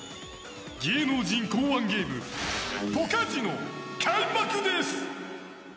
芸能人考案ゲームポカジノ開幕です！